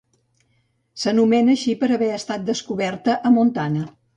S'anomena així per haver estat descoberta a Montana.